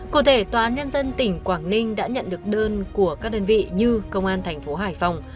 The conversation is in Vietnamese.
cụ thể tòa án nhân dân tỉnh quảng ninh đã nhận được đơn của các đơn vị như công an thành phố hải phòng